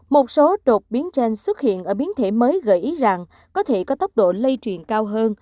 một số đột biến trên xuất hiện ở biến thể mới gợi ý rằng có thể có tốc độ lây truyền cao hơn